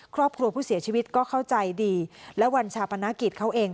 ครอบครัวผู้เสียชีวิตก็เข้าใจดีและวันชาปนกิจเขาเอง